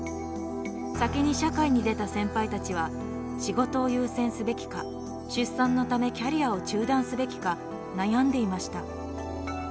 先に社会に出た先輩たちは仕事を優先すべきか出産のためキャリアを中断すべきか悩んでいました。